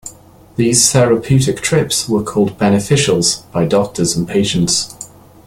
These therapeutic trips were called "beneficials" by doctors and patients.